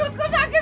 aku mau kuat lagi